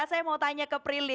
saya mau tanya ke prilly